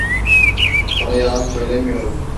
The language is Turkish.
Sana yalan söylemiyorum.